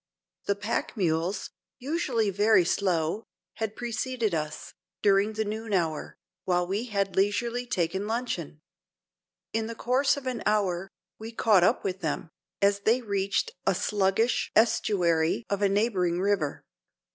The pack mules, usually very slow, had preceded us, during the noon hour, while we had leisurely taken luncheon. In the course of an hour, we caught up with them, as they had reached a sluggish estuary of a neighboring river.